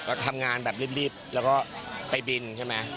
ก็ทำงานแบบรีบแล้วก็ไปบินใช่ไหม